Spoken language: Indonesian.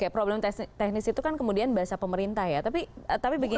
problem teknis itu kan kemudian bahasa pemerintah ya tapi begini